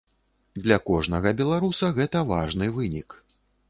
Для кожнага беларуса гэта важны вынік.